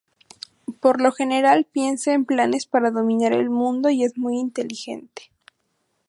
Por lo general piensa en planes para dominar el mundo y es muy inteligente.